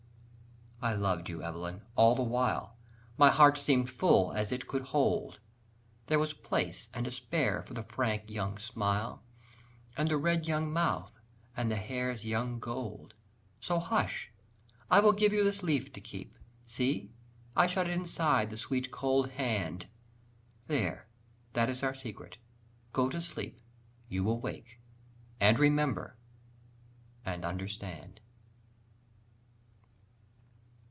I loved you, Evelyn, all the while! My heart seemed full as it could hold There was place and to spare for the frank young smile, And the red young mouth and the hair's young gold. So, hush, I will give you this leaf to keep See, I shut it inside the sweet cold hand. There, that is our secret! go to sleep; You will wake, and remember, and understand.